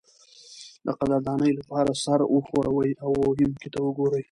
د قدردانۍ لپاره سر وښورئ او ویونکي ته وګورئ.